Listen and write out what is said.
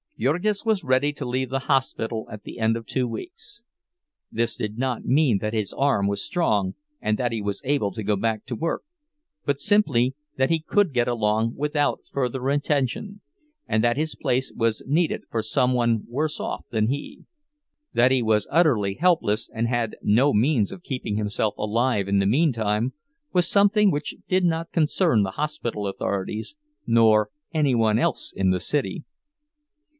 Jurgis was ready to leave the hospital at the end of two weeks. This did not mean that his arm was strong and that he was able to go back to work, but simply that he could get along without further attention, and that his place was needed for some one worse off than he. That he was utterly helpless, and had no means of keeping himself alive in the meantime, was something which did not concern the hospital authorities, nor any one else in the city.